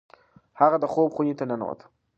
هغه د خوب خونې ته ننوت.